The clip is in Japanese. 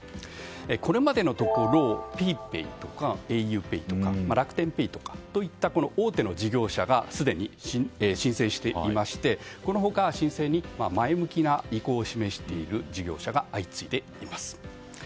これまでのところＰａｙＰａｙとかａｕＰＡＹとか楽天Ｐａｙなどの大手の事業者がすでに申請していましてこの他、申請に前向きな意向を示している事業者が相次いでいます。